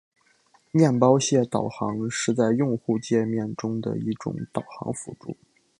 面包屑导航是在用户界面中的一种导航辅助。